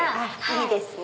いいですね。